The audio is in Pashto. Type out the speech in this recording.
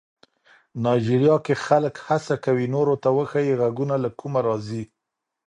نایجیریا کې خلک هڅه کوي نورو ته وښيي غږونه له کومه راځي.